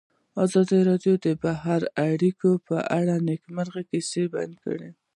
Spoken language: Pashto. ازادي راډیو د بهرنۍ اړیکې په اړه د نېکمرغۍ کیسې بیان کړې.